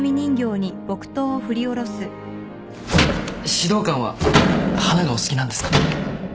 指導官は花がお好きなんですか？